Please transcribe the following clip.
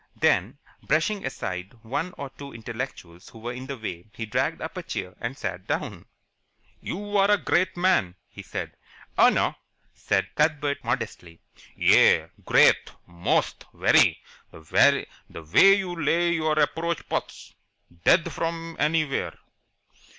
Then, brushing aside one or two intellectuals who were in the way, he dragged up a chair and sat down. "You are a great man!" he said. "Oh, no," said Cuthbert modestly. "Yais! Great. Most! Very! The way you lay your approach putts dead from anywhere!"